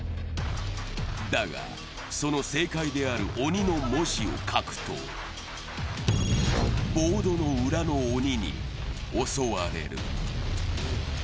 だが、その正解である「鬼」の文字を書くとボードの裏の鬼に襲われる。